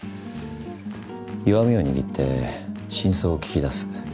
弱みを握って真相を聞き出す。